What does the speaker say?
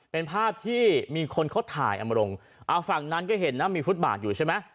เป็นภาพที่มีคนเขาถ่ายเอามาลงเอาฝั่งนั้นก็เห็นนะมีฟุตบาทอยู่ใช่ไหม